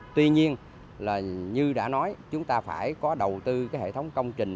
tuy nhiên như đã nói chúng ta phải có đầu tư hệ thống công trình